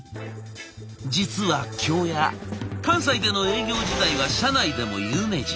実は京谷関西での営業時代は社内でも有名人。